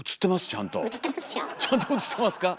ちゃんと映ってますか？